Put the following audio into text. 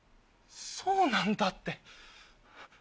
「そうなんだ」って。